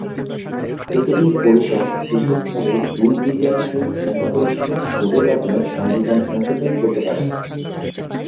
প্রতিটি পরিষদ পৃথকভাবে দুই-তৃতীয়াংশ সংখ্যাগরিষ্ঠ ভোটের মাধ্যমে সংবিধান সংশোধন করতে পারে।